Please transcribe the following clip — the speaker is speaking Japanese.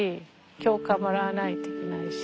許可もらわないといけないし。